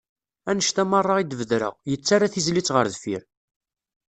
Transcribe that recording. Annenct-a meṛṛa i d-bedreɣ, yettarra tizlit ɣer deffir.